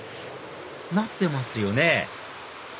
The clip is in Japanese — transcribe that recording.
なってますよね